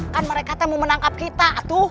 kan mereka teman menangkap kita